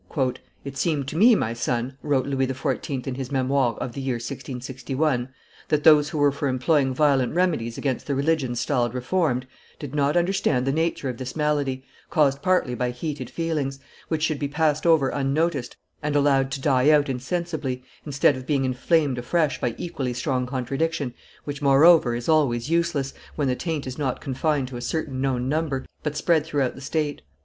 "It seemed to me, my son," wrote Louis XIV. in his Memoires of the year 1661, "that those who were for employing violent remedies against the religion styled Reformed, did not understand the nature of this malady, caused partly by heated feelings, which should be passed over unnoticed and allowed to die out insensibly, instead of being inflamed afresh by equally strong contradiction, which, moreover, is always useless, when the taint is not confined to a certain known number, but spread throughout the state.